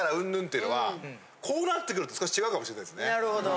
なるほど。